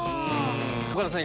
岡田さん